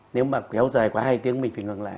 nếu mà kéo dài quá hai tiếng mình phải ngừng lại